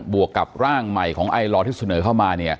วกกับร่างใหม่ของไอลอร์ที่เสนอเข้ามา